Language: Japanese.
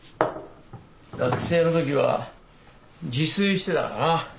学生の時は自炊してたからな。